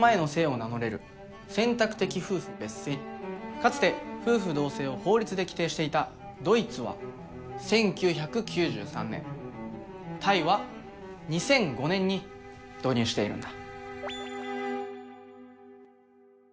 かつて夫婦同姓を法律で規定していたドイツは１９９３年タイは２００５年に導入しているんだ。